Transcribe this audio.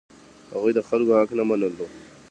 هغوی د خلکو حق نه منلو.